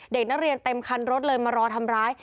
เด็กนักเรียนเต็มคันรถเลยมารอทำร้าย